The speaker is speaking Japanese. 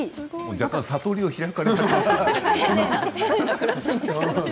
若干、悟りを開かれた方。